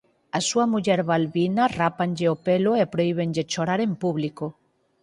Á súa muller Balbina rápanlle o pelo e prohíbenlle chorar en público.